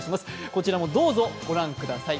こちらもどうぞご覧ください。